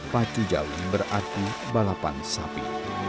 pacu jawin berarti balapan sapi